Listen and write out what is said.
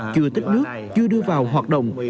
chưa tích nước chưa đưa vào hoạt động